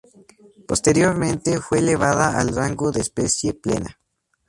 Posteriormente fue elevada al rango de especie plena.